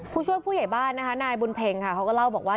ผู้ช่วยผู้ใหญ่บ้านนะค่ะนายบดเพลงขอบอกว่า